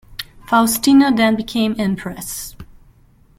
Faustina then became empress.